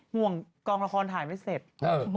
ห่วงกองละครถ่ายไม่เสร็จ